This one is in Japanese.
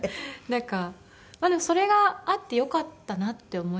なんかでもそれがあってよかったなって思います